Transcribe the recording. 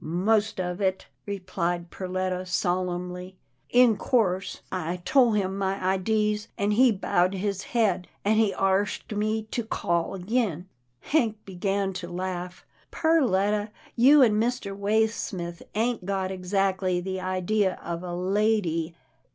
" Most of it," replied Perletta, solemnly. " In course, I tole him my idees, an' he bowed his head. An' he arsked me to call agin." Hank began to laugh. " Perletta, you and Mr. Waysmith ain't got exactly the idea of a lady.